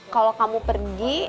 kalau kamu pergi